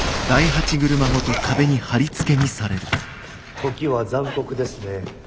時は残酷ですね。